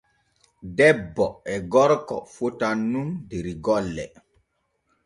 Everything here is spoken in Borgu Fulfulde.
Debbo e gorko fotan nun der golle.